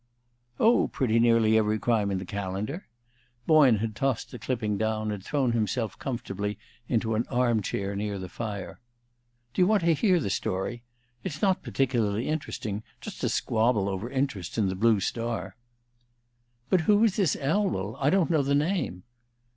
"Oh, pretty nearly every crime in the calendar." Boyne had tossed the clipping down, and thrown himself comfortably into an arm chair near the fire. "Do you want to hear the story? It's not particularly interesting just a squabble over interests in the Blue Star." "But who is this Elwell? I don't know the name."